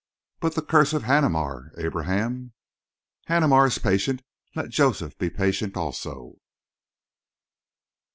"But the curse of Haneemar, Abraham?" "Haneemar is patient. Let Joseph be patient also."